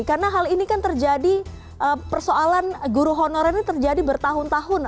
karena hal ini kan terjadi persoalan guru honorer ini terjadi bertahun tahun